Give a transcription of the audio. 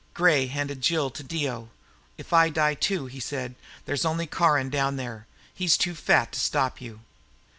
Gray handed Jill to Dio. "If I die too," he said, "there's only Caron down there. He's too fat to stop you."